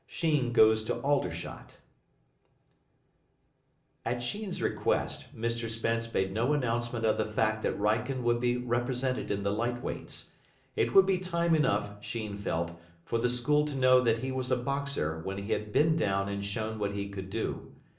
XX SHEEN GOES TO ALDERSHOT At Sheen's request Mr Spence made no announcement of the fact that Wrykyn would be represented in the Light Weights. It would be time enough, Sheen felt, for the School to know that he was a boxer when he had been down and shown what he could do.